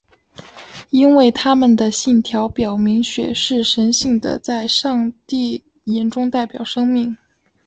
因为他们的信条表明血是神性的在上帝眼中代表生命。